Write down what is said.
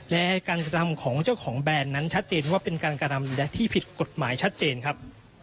และการกระทำของเจ้าของแบรนด์นั้นชัดเจนว่าเป็นการกระทำและที่ผิดกฎหมายชัดเจนครับ